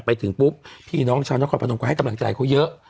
ไปถึงปุ๊บพี่น้องฉานขอบพน้องไหว้ให้กำลังใจเขาเยอะ